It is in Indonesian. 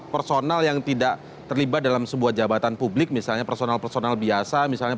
personal yang tidak terlibat dalam sebuah jabatan publik misalnya personal personal biasa misalnya